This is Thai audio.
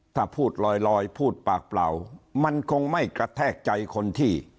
ถ้าพูดลอยพูดปากเปล่ามันคงไม่กระแทกใจคนที่